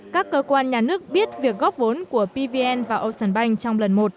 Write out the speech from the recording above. các cơ quan nhà nước biết việc góp vốn của pvn và ocean bank trong lần một